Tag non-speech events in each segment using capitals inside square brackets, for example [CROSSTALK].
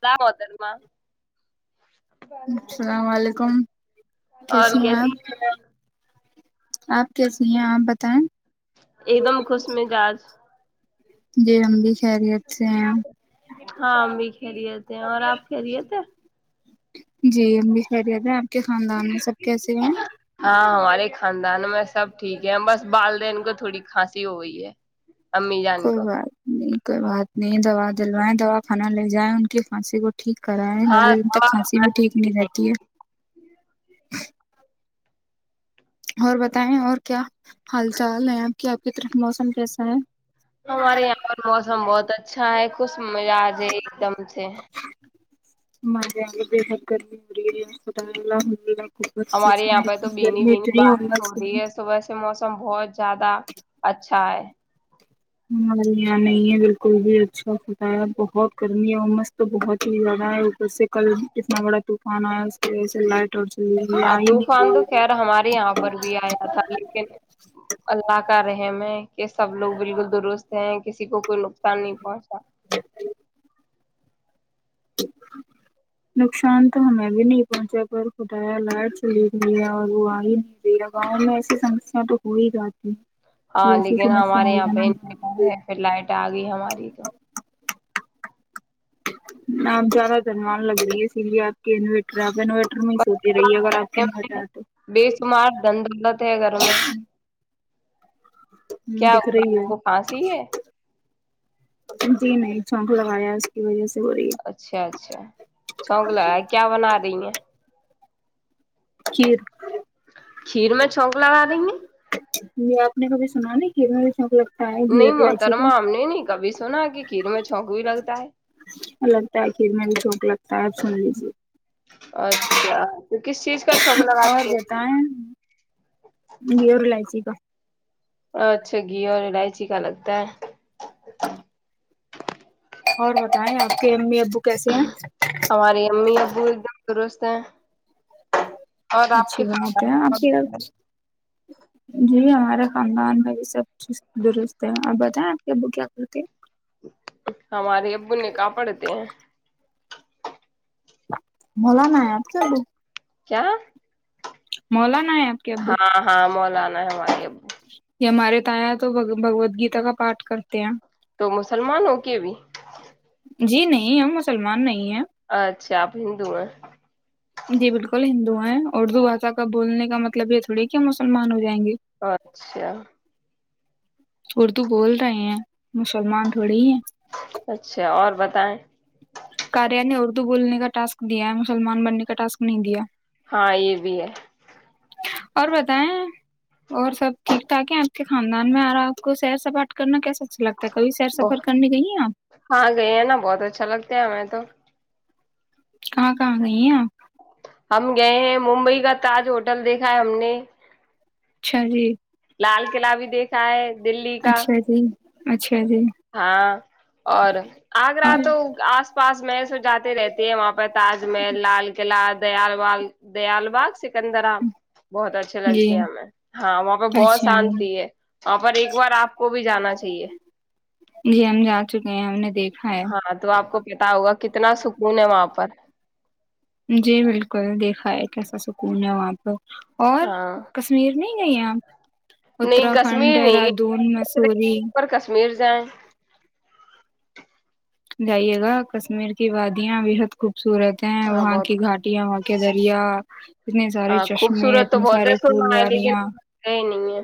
کیا ہوٹل میں السلام علیکم اور کیسم کیسی ہیںپ آپ کیسی ہیں آپ بتائیں ایک دم خوش م جاج جی ہممد خریت سے ہیں ہاں ہم بھی کھیلیے تھے اور آپ کھیلیے تھے جی امب [UNINTELLIGIBLE] خیریت ہے آپ کے خاندان میں سب کیسے ہیں ہاں ہمارے خاندان میں سب ٹھیک ہے بس بالدین کو تھوڑی کھانسی ہو گئی ہے امی جان کوئی کو بات نہیں کوئی بات نہیں دوا جلوائےیں دوا کھانا لے جائیں ان کے کھانسی کو ٹھیک کرا ہے زیادہ ہاں د تک کھانسی بھی ٹھیک نہیں رہتی ہے اور بتائیں اور کیا حال چال ہے آپ کی آپ کی طرف موسم کیسا ہے ہمارے یہاں پر موسم بہت اچھا ہے کچ مزا آج ایک دم سے [UNINTELLIGIBLE] ہمارے اتنی یہاں پہ تو بنیی گرمی بنیی اتنی بارش ہو امس رہی ہے صبح سے موسم بہت زیادہ اچھا ہے ہے یہاں نہیں ہے بالکل بھی اچھا ختا ہے بہت گرمی ہے اور مست تو بہت ہی زیادہ ہے اوپر سے کل کتنا بڑا طوفان آیا ہے اس کی وجہ سے لائٹ اور چلی گئی ہاں آ ہی نہیں طوفان تو رہی خیر ہمارے یہاں پر بھی آیا تھا لیکن اللہ کا رحم ہےس سب لوگ بالکل درست ہیں کسی کو کوئی نقصان نہیں پہنچا نقصان تو ہمیں بھی نہیں پہنچا پر خدایا لائٹ چلی گیا اور وہ آ ہی نہیں گیا گاؤں میں ایسی سمسیا تو ہو ہی جاتی ہے ہاں یہ ایسی لیکن سمسیا ہمارے ہو یہاں جانا پہوٹ نارمل، پھر لائٹ آ گئی ہماری تو آپ زیادہ دنوان لگ رہی ہے اسی لیے آپ کے انویٹر آپ انوٹر میں ہی سوتی رہی اگر آپ کے بس انورٹر آ تو بے شمار دن دولت ہے گھر میں [UNINTELLIGIBLE] شپو کیا ہوا آپ کو کھانسی ہے لگایا ہے اس کی وجہ سے ہو رہی ہے اچھا اچھا چونکلا کیا بنا رہی ہیں کھیر کھیر میں چوک ل لا دیں گے آپ نے کبھی سنا نا کہ بھی شک لگتا نہیں گر الائچی کا محترمہ ہم نے نہیں کبھی سنا کہ کھیر میں چھونک بھی لگتا ہے لگتا ہے کھیر میں بھی سوک لگتا ہے اب سن لیجے اچھاپ [INAUDIBLE] اچھا گھی اور الائچی کا لگتا ہے اور بتائیں آپ کے امی ابو کیسے ہیں ہماری امی ابو ایک [UNINTELLIGIBLE] اچھی بات ہے آپ کے گھر۔ [UNINTELLIGIBLE] جی ہمارا خاندان بھائی سب چیز درست ہے آپ بتائیں آپ کے ابو کیا کرتے ہیں ہمارے ابو نے کاپڑتے ہیں ملا ن آپ چلو کیا مولا ہاں ہاں مولانا ہے ہماری ابو بتایا تو بگوود گیتا کا پاٹ کرتے ہیں تو مسلمان ہو کے بھی جی نہیں ہم مسلمان نہیں ہیں اچھا آپ ہندو ہیں جی بالکل ہندو ہیں اردو بھشا کا بولنے کا مطلب یہ تھوڑی کہ مسلمان ہو جائیں گے اچھا اردو بول رہے ہیں مسلمان تھوڑی ہیں اچھا اور بتائیں کاریا نے اردو بولنے کا ٹاسک دیا ہے مسلمان بننے کا ٹاسک نہیں دیا ہاں یہ بھی ہے اور بتائیں اور سب ٹھیک ٹھاک ہے آپ کے خاندان میں آ رہا ہے آپ کو سیر سپاٹ کرنا کیسا اچھا لگتا ہے کبھی سیر بت سفر کرنے گئی ہیں آپ ہاں گئے ہیں نا بہت اچھا لگتا لگتا ہے ہمیں تو کہاں کہاں گئی ہیں آپ ہم گئے ہیں ممبئی کا تاج ہوٹل دیکھا ہے ہم نے اچھا جی لال قلعہ بھی دیکھا ہے دلی کا اچھا جی اچھا جی ہاں آگرا اور تو اس پاس میں س جاتے رہتے ہے وہاں پہ تاج محل لال قلعہ دیال با دیال باغ سکندر بہت اچھے جی لگتے ہیں ہمیں ہاں وہاں پہ بہت اچھا شانتی ہے وہاں پر ایک بار آپ کو بھی جانا چاہیے جی ہم جا چکے ہیں ہم نے دیکھا ہے ہاں تو آپ کو پتا ہوگا کتنا سکون ہے وہاں پر جی بالکل دیکھا ہے کیسا سکون ہے وہاں پہ اور ہاں کشمیر نہیں گئی ہیں آپ نہیں اتراکھنڈ کشمیر نہیں یہ دہرادون سوچ رہے مسوری ہیں پر کشمیر جائیں جائیے گا کشمیر کی وادیاں بےحد خوب صورت ہیں ہاں وہاں بہت کی گھاٹیاں وہاں کے دریا اتنے سارے ہاں چشمے خوبصورت تو اتنے بہت ہے سارے پھول سنا ہے لیکن واریاں ہم گئے نہیں ہے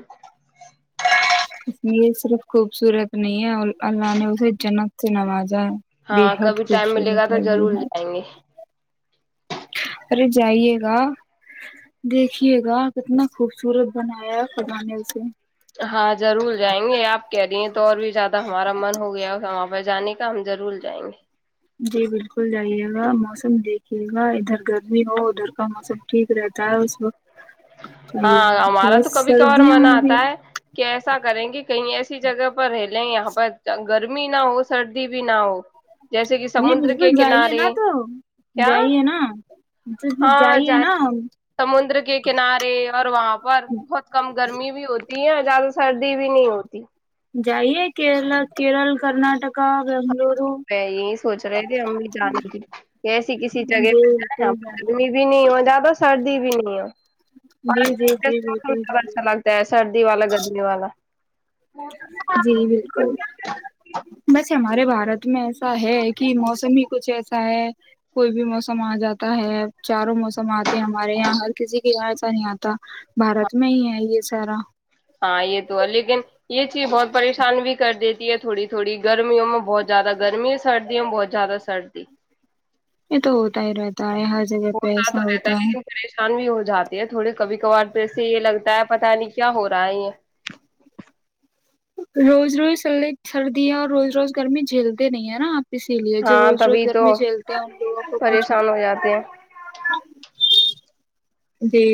کشمیر صرف خوبصورت نہیں ہے اللہ نے اسے جنت سے نوازا ہے ہاں بےحد کبھی ٹائم ملے گا خوبصورت تو ہے ضرور بےحد جائیں گے ارے جائیے گا دیکھیے گا کتنا خوبصورت بنایا ہے خدا نے اسے ہاں ضرور جائیں گے آپ کہہ رہی ہیں تو اور بھی زیادہ ہمارا من ہو گیا وہاں پہ جانے کے تو ہم ضرور جائیں گے جی بالکل جائیے گا موسم دیکھیے گا ادھر گرمی ہو ادھر کا موسم ٹھیک رہتا ہے اس وقت جائیے ہاں گا ہمارا تو بس کبھی کبھار سردیوں من میں بھی آتا ہے کہ ایسا کریں گے کہیں ایسی جگہ پر رہ لیں یہاں پر گرمی نہ ہو سردی بھی نہ ہو جیسے کہ جی سمندر بالکل کے جائیے کنارے نا تو کیا جائیے نا ہاں جائیے جائیں نا سمندر کے کنارے اور وہاں پر بہت کم گرمی بھی ہوتی ہے زیادہ سردی بھی نہیں ہوتی جائیےرلا کیرل کرناٹک یہی سوچ رہے تھے ہم بھی جانے تھی ایسی کسی جگہ جی پہ جائیں بالکل جائیے گدمی بھی نہیں ہو زیادہ سردی بھی نہیں ہے جی جی اور جی م بالکل کب جائیے اچھا لگتا ہے سردی والا گدے والا جی بالکل بس ہمارے باہر میں ایسا ہے کہ موسم ہی کچھ ایسا ہے کوئی بھی موسم آ جاتا ہے چاروں موسم آتے ہمارے یہاں ہر کسی کے گاں ایسا نہیں آتا بارت میں ہی ہے یہ سب سیرا ہاں یہ تو ہے لیکن یہ چیز بہت پریشان بھی کر دیتی ہے تھوڑی تھوڑی گرمیوں میں بہت زیادہ گرمی سردیوں میں بہت زیادہ سردی یہ تو ہوت آ رہا تار ہر جگہ پیسا تو رہتا ہے ہوتا لیکن پریشان بھی ہو جاتا تھوڑے کبھی کبھار توسے یہ لگتا ہے پتا نہیں کیا ہو رہا ہے یہ روز روز سے سردیاں اور روز روز گرمی جھیلتے نہیں ہے نا آپ اسی لیے جو ہاں روز روز تبھی گھر تو میں جھیلتے ہیں ان لوگوں کو کچھ پریشان ہو جاتے ہیں جی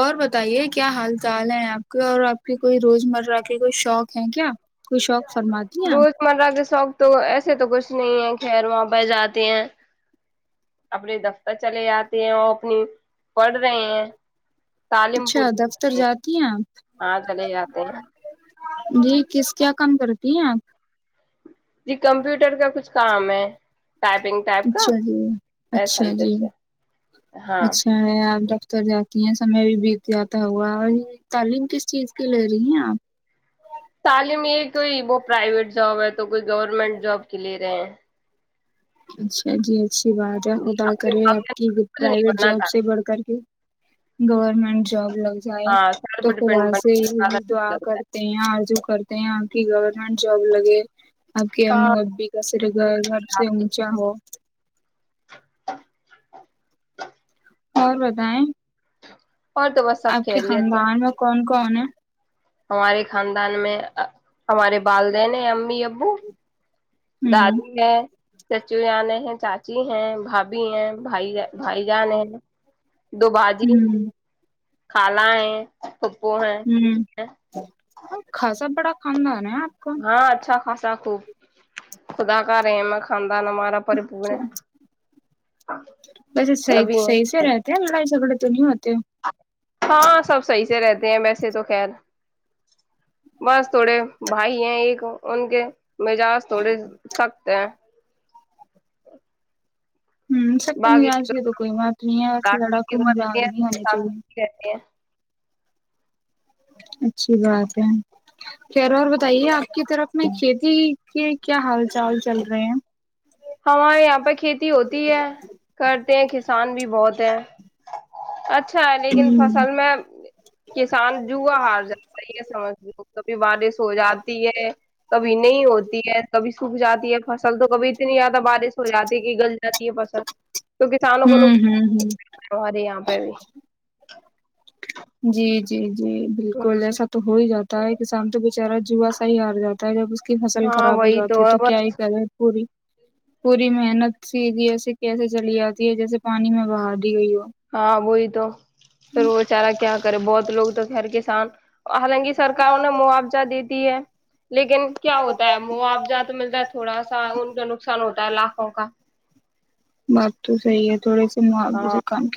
اور بتائیے کیا حال چال ہیں آپ کے اور آپ کی کوئی روزمرہ کے کوئی شوق ہے کیا کوئی شوق فرماتی ہیں آپ روزمرہ کے شوق تو ایسے تو کچھ کچھ نہیں ہے خیر وہاں بہ جاتے ہیں اپنے دفتر چلے جاتے ہیں اور اپنی پڑھ رہے ہیں تعلیم اچھا دفتر پورور جاتی ہیں آپ ہاں چل یہ آتے جی کس کیا کام کرتی ہیں آپ جی کمپیوٹر کا کچھ کام ہے ٹائپنگ ٹائپ کا اچھا جی ایسا اچھا ہی جی کچھ ہے ہاں اچھا آپ اتر جاتی ہیں سمے بھی بیت جاتا ہوا اور یہ تعلیم کس چیز کی لے رہی ہیں آپ تعلیم یہ کوئی وہ پرائیویٹ جاب ہے تو کوئی گورنمنٹ جاب کی لے رہے ہیں اچھا جی اچھی بات ہے خدا اپنے کرے آپ کی کچھ نہیں پرائیویٹ بننا جاب سے چاہ بڑھ کر کے گورنمنٹ جاب لگ جائے ہاں تو سیلف خدا ڈیپینڈ سے بننے کا یہی دعا لگتا ہے کرتے ہیں آر جو کر یہ کی گورنمنٹ جاب لگے آپ کی ہاں او ابی کا سر گ گھر اچا ہو اور بتائیں اور تو بس سب آپ کے خیریت ہے خاندان میں کون کون کون ہمارے خاندان میں ہمارے والدین ہیں امی ابو ہ دادی ہے چچو یان چاچی ہیں بھابھی ہیں بھائی بھائی جان ہیں دو بجی کالا ہے ہوں کاسا بڑا [UNINTELLIGIBLE] [UNINTELLIGIBLE] ہاں اچھا خاص خوب خدا کرے میں خان [UNINTELLIGIBLE] اچھا بسے سی سبھی ہیں سحی سے رہتے ہیں مائی سگڑ [UNINTELLIGIBLE] [UNINTELLIGIBLE] [UNINTELLIGIBLE] رہتے ہیں ویسے تو خیر بس تھوڑے بھائی ہیں ایک ان کے مجاج تھوڑے سخت ہیں [INAUDIBLE] ہوں سب کے باقی مزاج کی تو کوئی بات نہیں ہے اور لڑا کو مزاج نہیں ہونے چاہیے رہتے ہیں اچھی بات ہے خیرو اور بتائیے آپ کی طرف میں کھیتی کے کیا حال چال چل رہے ہیں ہمار یہاں پہ کھیتی ہوتی ہے کرتے ہیں کسان بھی بہت ہیں اچھا اچھا ہے لیکن ہوں فصل میں کسان جوو ہار جاتا ہے یہ سمجھ ل کبھی بارش ہو جاتی ہے کبھی نہیں ہوتی ہے کبھی سوکھ جاتی ہے فصل تو کبھی بار س ہوات ت کہ گل جاتی [UNINTELLIGIBLE] یہ بسند تو کسانوں کو ن ہوں ہوں ہوں ہماراری یہاں پہ بھی جی جی جی بالکل ایسا تو ہو ہی جاتا تو ہے ک سام تو [UNINTELLIGIBLE] بچارہ جوا صحی ہار جا ہے جب اس کی فصل ہاں خراب ہو وہی جاتی ہے تو کیا یہ بس کرے پوری پوری محنت سیدھی ایسے کیسے چلی جاتی ہے جیسے پانی میں بہا دی ہوئی ہو ہاں وہی تو پھر وہ چارا کیا کرے بہت لوگ توک گر کسان [UNINTELLIGIBLE] ہاں [INAUDIBLE]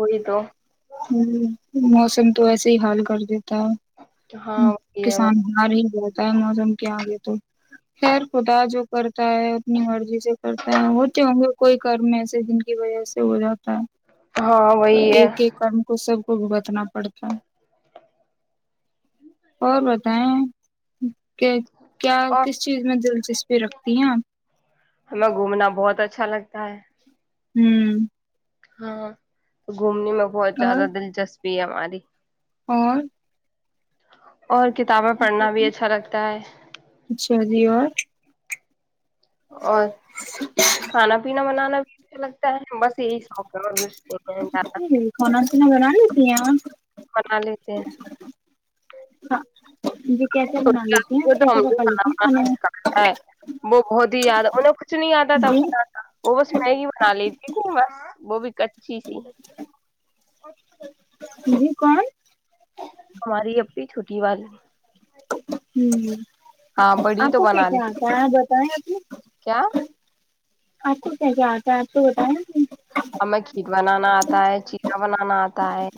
وہی تو [UNINTELLIGIBLE] ہاں وہی ہے [UNINTELLIGIBLE] [UNINTELLIGIBLE] [UNINTELLIGIBLE] [UNINTELLIGIBLE] ہے ایک ایک کرم [INAUDIBLE] [UNINTELLIGIBLE] [UNINTELLIGIBLE] اور [UNINTELLIGIBLE] [UNINTELLIGIBLE] [UNINTELLIGIBLE] [INAUDIBLE] [UNINTELLIGIBLE] اور [UNINTELLIGIBLE] [UNINTELLIGIBLE] [UNINTELLIGIBLE] اچھا جی اور [UNINTELLIGIBLE] [UNINTELLIGIBLE] [UNINTELLIGIBLE] [UNINTELLIGIBLE] [INAUDIBLE] [UNINTELLIGIBLE] [INAUDIBLE] لیتی ہیں کیسے پکا لیتی ہیں کھانے میں [UNINTELLIGIBLE] جی [UNINTELLIGIBLE] [UNINTELLIGIBLE] [UNINTELLIGIBLE] [UNINTELLIGIBLE] [UNINTELLIGIBLE] ہاں بڑی تو بنا لی [INAUDIBLE] کیا [UNINTELLIGIBLE] [UNINTELLIGIBLE] [UNINTELLIGIBLE] بنانا آتا ہے چلاا بنانا آتا ہے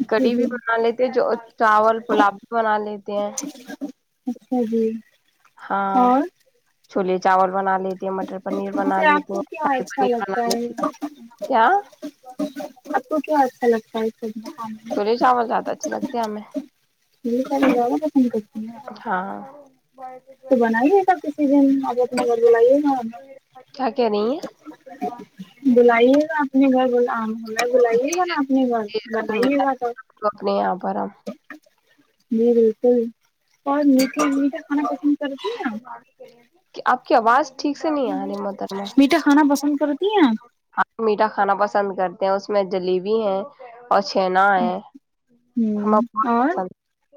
اچھا گڑی جی بھی بنا لیےتے جو چاول گلاب بھی بنا لیتے ہیں اچھا جی ہاں اور چھلی چاول بنا لیتی ہیں مٹر پنیر بنا ویسے آپ لیتی کو ہیں کیا شاہی اچھا پنیر بنا لگتا ہے لیتی کیا تو کیا اچھا لگتا ہے سبزی کھانے میں چھوولے چاول زیادہ اچھے لگتے ہیں ہمیں جٹھیک ہے جا ہاں تو بنائیے گا کسی دن اب اپنے گھر بلائیے گا ہمیں کیا کہہ رہی بلائیے گا اپنے گھر ہمیں بلائیے گا نا اپنے گھر ہیں بنائیے گا تو اپنے یہاں پر ہم جی بالکل اور میٹھے میٹھا کھانا پسند کرتی ہیں آپ توم کے لیے کہ آپ کی آواز ٹھیک سے نہیں آنے مدر میں میٹھا کھانا پسند کرتی ہیں میٹھا کھانا بس پسند کرتے ہیں اس میں جلیبی ہیں اور چھنا ہے ہمیں آپ ہوں بہت اور پسند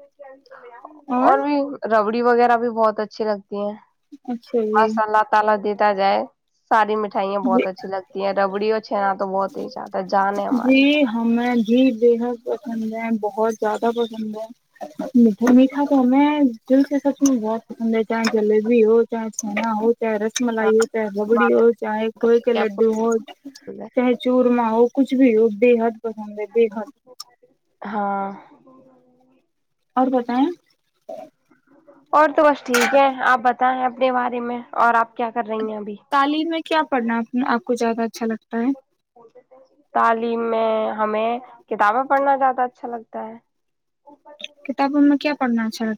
اور بھی ربڑ وغیرہ بھی بہت کچ لگ اچھا جی [UNINTELLIGIBLE] تا جائے ساری مٹھائیاں جی بہت اچھی لگتی ہیں ڈبو جی ہمیں جھی بےحد پسند ہے بہت زیادہ پسند ہے میٹا میٹھا تو ہمیں دل سے سب چ بہت پسند ہے چاہے جلیبی ہو چاہے چنا ہو چاہے رس ہاں ملائی ہو چاہے بگڑی ہو باتیں چاہے کوئے کر کے آپ کو لڈو ہو چورم وہ کچھ بھی ہو بے حد پسند ہے ب حال ہاں اور بتائیں اور تو بس ٹھیک ہے آپ بتائیں اب کے بارے میں اور آپ کیا کر رہی ہیں ابھی تعلیم میں کیا پڑھنا آپ کو زیادہ اچھا لگتا ہے [UNINTELLIGIBLE] تعلیم میں ہمیں کتابیں پڑھنا زیادہ اچھا لگتا ہے کتابوں میں کیا ارناچل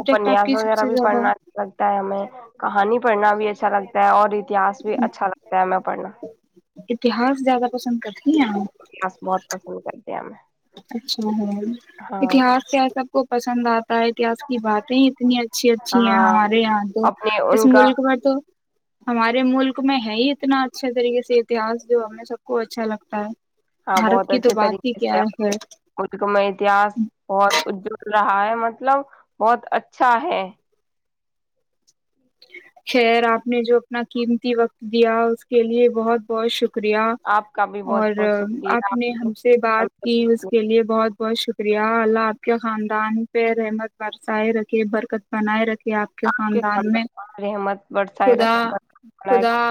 اپنیاس وغیرہ بھی پڑھنا اھا لگتا ہے ہمیں کہانی پڑھنا بھی اچھا لگتا ہے اور اتہس بھی اچھا لگتا ہے پڑنا اتہاس زیادہ پسند کرتے نہیں فون کر دیایں اچھا ہے اتہاس کیا سب کو پسند آتا ہے اتحس کی باتیں اتنی اچھی اچھی ہیں ہاں ہمارے یہاں تو اپنے اس ان کا ملک میں تو ہمارے ملک میں ہے ہی اتنا اچھا پچ کر، ستیہس جو ہم سب کو اچھا لگتا ہے ہاں بھارت بہت کی تو اچھے بات ہی طریقے کیا سے ہے کھ کو میں اتہس اور ا رہا ہے مطلب بہت اچھا ہے خیر آپ نے جو اپنا قیمتی وقت دیا اس کے لیے بہت بہت شکر شکریہ آپ کا بھی بہت اور بہت شکریہ آپ نے ہم سے بات کی اس نے کے لیے بہت بہت شک شکریہ اللہ آپ کے خاندان پہ رحمت برسائے رکھے برکت بنائے رکھے آپ کے خاندان میں ہممت بڑسائے خدا رکھے خدا